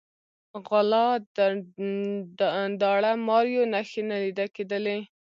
غلا، داړه ماریو نښې نه لیده کېدلې.